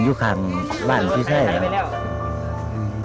อยู่ข้างร้านพิธรุยี่ไส้ครับ